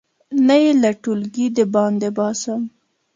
نه یې له ټولګي د باندې باسم.